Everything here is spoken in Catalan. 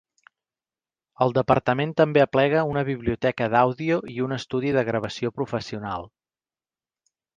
El departament també aplega una biblioteca d'àudio i un estudi de gravació professional.